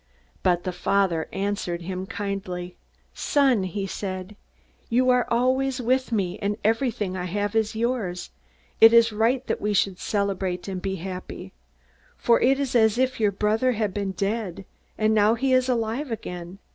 "But the father answered him kindly. 'Son,' he said, 'you are always with me, and everything I have is yours. It is right that we should celebrate, and be happy. For it is as if your brother had been dead, and now he is alive again.